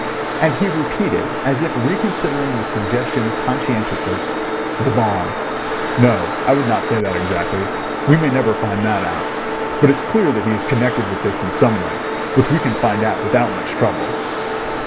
And he repeated, as if reconsidering the suggestion conscientiously: "The bomb. No, I would not say that exactly. We may never find that out. But it's clear that he is connected with this in some way, which we can find out without much trouble."